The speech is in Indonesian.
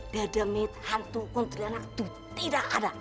the demit hantu kontrianak itu tidak ada